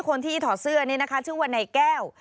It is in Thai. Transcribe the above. ถอดเสื้อนี่นะคะชื่อว่านายแก้ว